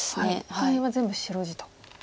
下辺は全部白地と。